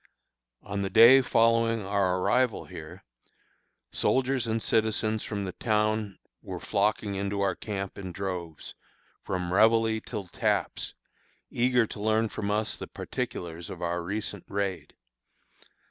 On the day following our arrival here, soldiers and citizens from the town were flocking into our camp in droves, from réveille till taps, eager to learn from us the particulars of our recent raid.